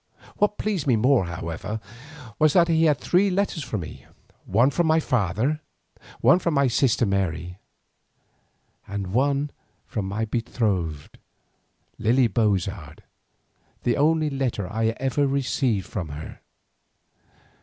What pleased me more, however, was that he had three letters for me, one from my father, one from my sister Mary, and one from my betrothed, Lily Bozard, the only letter I ever received from her.